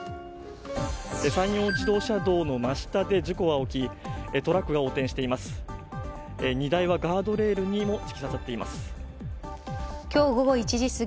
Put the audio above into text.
山陽自動車道の真下で事故が起きトラックが横転しています。